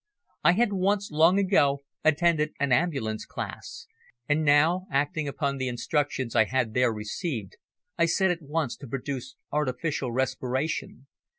I had once, long ago, attended an ambulance class, and now, acting upon the instructions I had there received, I set at once to work to produce artificial respiration.